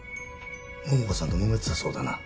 桃花さんともめてたそうだな。